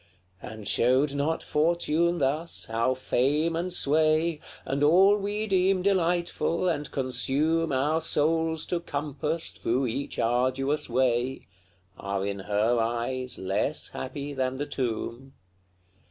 And showed not Fortune thus how fame and sway, And all we deem delightful, and consume Our souls to compass through each arduous way, Are in her eyes less happy than the tomb?